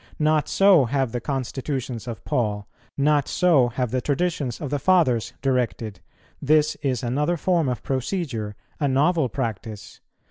Not so have the constitutions of Paul, not so have the traditions of the Fathers directed; this is another form of procedure, a novel practice.